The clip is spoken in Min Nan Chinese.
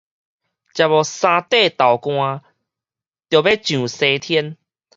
食無三塊豆乾著欲上西天